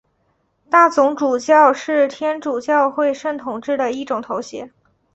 大总主教是天主教会圣统制的一种头衔。